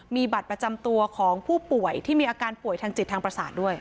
มีบัตรประจำตัวของผู้ป่วยที่มีอาการป่วยทางจิตทางประสาทด้วย